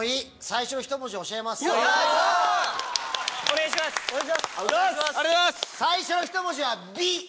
最初の１文字は「ビ」。